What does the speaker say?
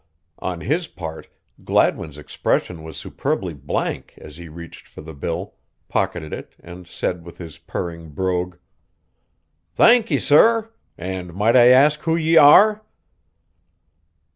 On his part, Gladwin's expression was superbly blank as he reached for the bill, pocketed it and said with his purring brogue: "Thank ye, sorr! And might I ask who ye are?"